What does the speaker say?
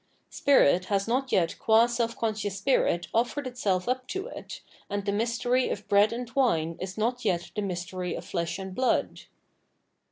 Spirit has not yet qm self conscious spirit oSered itself up to it, and the mystery of bread and wine is not yet the mystery of flesh and blood.